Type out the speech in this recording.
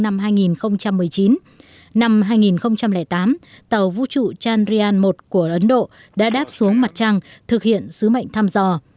năm hai nghìn một mươi chín năm hai nghìn tám tàu vũ trụ chanrian một của ấn độ đã đáp xuống mặt trăng thực hiện sứ mệnh thăm dò